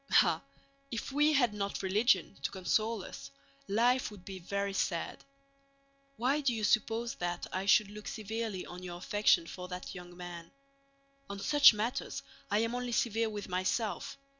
Ah, if we had not religion to console us life would be very sad. Why do you suppose that I should look severely on your affection for that young man? On such matters I am only severe with myself.